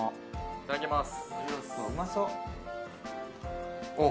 いただきます